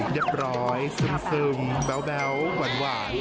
เรียบร้อยซึมแบ๊วหวาน